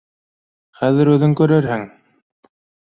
— Хәҙер үҙең күрерһең